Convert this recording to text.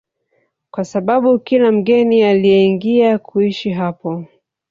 kwa sababu kila mgeni alieingia kuishi hapo